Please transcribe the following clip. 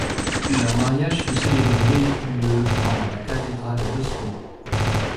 Leur mariage fut célébré le en la cathédrale d'Oslo.